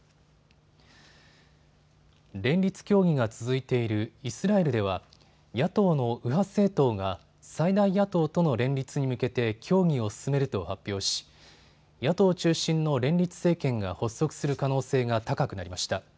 連立協議が続いているイスラエルでは野党の右派政党が最大野党との連立に向けて協議を進めると発表し野党中心の連立政権が発足する可能性が高くなりました。